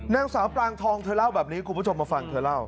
นางสาวปรางทองเธอเล่าแบบนี้คุณผู้ชมมาฟังเธอเล่า